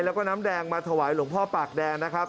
แล้วก็น้ำแดงมาถวายหลวงพ่อปากแดงนะครับ